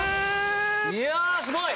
いやあすごい！